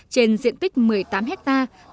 trên diện tích một mươi tám hectare